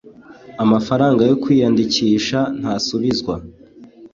amafaranga yo kwiyandikisha ntasubizwa